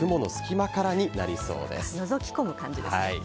お月見はのぞき込む感じですね。